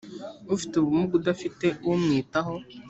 ufite ubumuga udafite umwitaho